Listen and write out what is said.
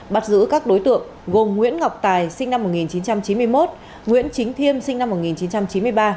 bắt giữ các đối tượng gồm nguyễn ngọc tài sinh năm một nghìn chín trăm chín mươi một nguyễn chính thiêm sinh năm một nghìn chín trăm chín mươi ba